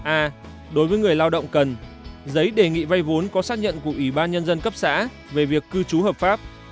a đối với người lao động cần giấy đề nghị vay vốn có xác nhận của ủy ban nhân dân cấp xã về việc cư trú hợp pháp